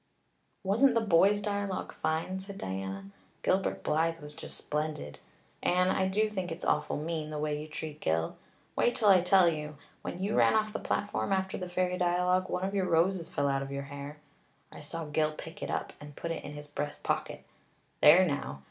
"Wasn't the boys' dialogue fine?" said Diana. "Gilbert Blythe was just splendid. Anne, I do think it's awful mean the way you treat Gil. Wait till I tell you. When you ran off the platform after the fairy dialogue one of your roses fell out of your hair. I saw Gil pick it up and put it in his breast pocket. There now.